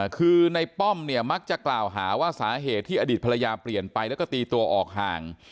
คือในป้อมเนี่ยมักจะกล่าวหาว่าสาเหตุที่อดีตภรรยาเปลี่ยนไปแล้วก็ตีตัวออกห่าง